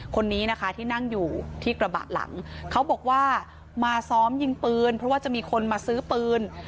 คนนี้นะคะที่นั่งอยู่ที่กระบะหลังเขาบอกว่ามาซ้อมยิงปืนเพราะว่าจะมีคนมาซื้อปืน